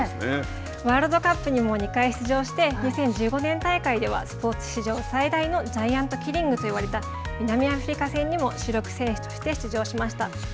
ワールドカップにも２回出場して２０１５年大会ではスポーツ史上最大のジャイアントキリングと言われた南アフリカ戦にも主力選手として出場しました。